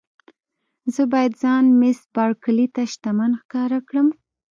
زه باید ځان مېس بارکلي ته شتمن ښکاره کړم.